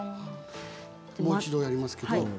もう一度やります。